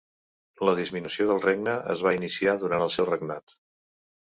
La disminució del regne es va iniciar durant el seu regnat.